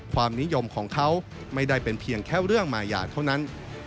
ความนิยมของเขาไม่ได้เป็นเพียงแค่เรื่องมายาเท่านั้น